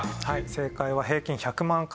正解は平均１００万回。